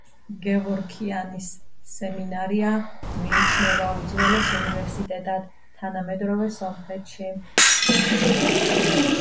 გევორქიანის სემინარია მიიჩნევა უძველეს უნივერსიტეტად თანამედროვე სომხეთში.